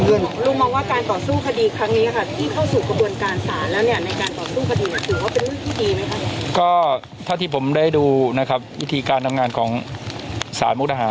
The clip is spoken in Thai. ลูกมองว่าการต่อสู้คดีครั้งนี้ครับที่เข้าสู่กระบวนการศาลแล้วเนี่ย